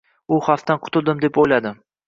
U xavfdan qutuldim, deb o’yladi.